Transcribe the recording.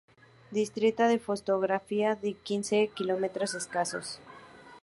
Dista de Fonsagrada quince kilómetros escasos.